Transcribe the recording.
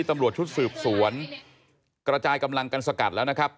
ตำรวจชุดสืบสวนกระจายกำลังกันสกัดแล้วนะครับ